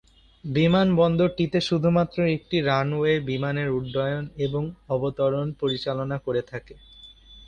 বিমানবন্দরটিতে শুধুমাত্র একটি রানওয়ে বিমানের উড্ডয়ন এবং অবতরণ পরিচালনা করে থাকে।